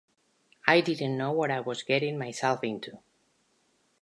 I didn't know what I was getting myself into".